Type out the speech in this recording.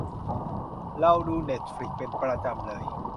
เราดูเน็ตฟลิกซ์เป็นประจำเลย